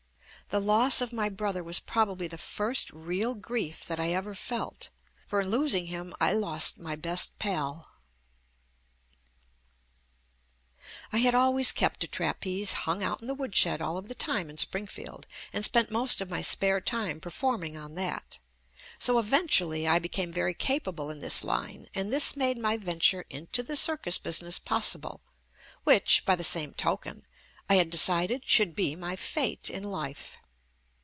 The loss of my brother was probably the first JUST ME real grief that I ever felt, for in losing him I lost my best pal. I had always kept a trapeze hung out in the woodshed all of the time in Springfield and spent most of my spare time performing on that; so eventually I became very capable in this line, and this made my venture into the circus business possible, which, by the same token, I had decided should be my fate in life.